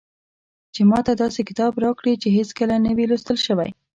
چې ماته داسې کتاب راکړي چې هېڅکله نه وي لوستل شوی.